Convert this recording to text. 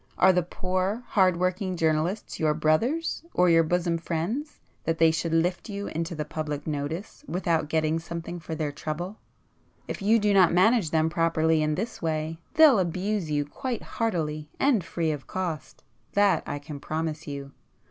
Are the poor, hard working journalists your brothers or your bosom friends that they should lift you into public notice without getting something for their trouble? If you do not manage them properly in this way, they'll abuse you quite heartily and free of cost,—that I can promise you!